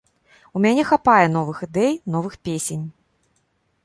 У мяне хапае новых ідэй, новых песень.